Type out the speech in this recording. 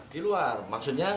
di luar maksudnya